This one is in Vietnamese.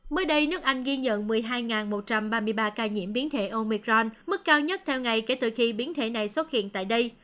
mới đây nước anh ghi nhận một mươi hai một trăm ba mươi ba ca nhiễm biến thể omicron mức cao nhất theo ngày kể từ khi biến thể này xuất hiện tại đây